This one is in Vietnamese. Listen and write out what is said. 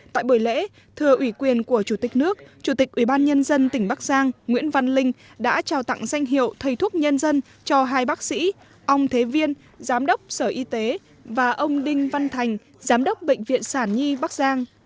tại buổi lễ thưa ủy quyền của chủ tịch nước chủ tịch ubnd tỉnh bắc giang nguyễn văn linh đã trao tặng danh hiệu thầy thuốc nhân dân cho hai bác sĩ ông thế viên giám đốc sở y tế và ông đinh văn thành giám đốc bệnh viện sản nhi bắc giang